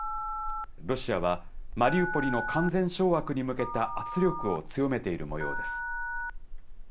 ロシアはマリウポリの完全掌握に向けた圧力を強めているもようです。